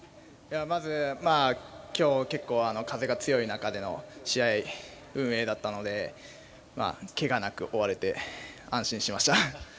まず今日、結構風が強い中での試合運営だったのでけがなく終われて安心しました。